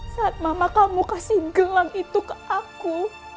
saat mama kamu kasih gelang itu ke aku